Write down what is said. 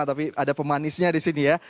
tapi ada pemanisnya di sini ya